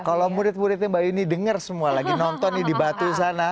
kalau murid muridnya mbak yuni dengar semua lagi nonton nih di batu sana